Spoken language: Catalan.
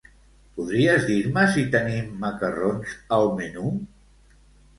Podries dir-me si tenim macarrons al menú?